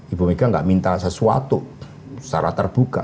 ibu mega tidak minta sesuatu secara terbuka